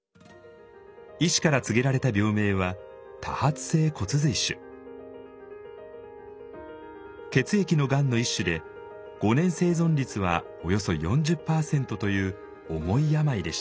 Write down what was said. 医師から告げられた病名は血液のがんの一種で５年生存率はおよそ４０％という重い病でした。